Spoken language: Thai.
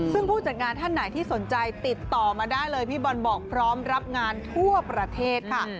ซึ่งผู้จัดงานท่านไหนที่สนใจติดต่อมาได้เลยพี่บอลบอกพร้อมรับงานทั่วประเทศค่ะ